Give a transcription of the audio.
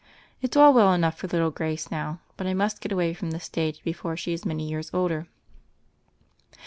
It's all well enough for little Grace now; but I must get away from the stage before she is many years older."